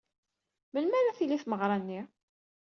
Melmi ara d-tili tmeɣra-nni?